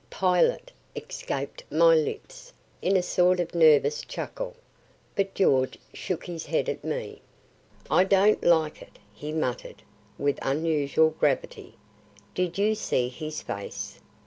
"Pilate!" escaped my lips, in a sort of nervous chuckle. But George shook his head at me. "I don't like it," he muttered, with unusual gravity. "Did you see his face?"